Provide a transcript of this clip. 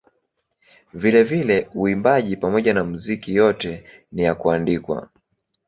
Vilevile uimbaji pamoja na muziki yote ni ya kuandikwa.